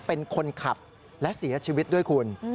เป็นคนขับและเสียชีวิตด้วยคุณ